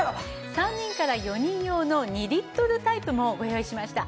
３人から４人用の２リットルタイプもご用意しました。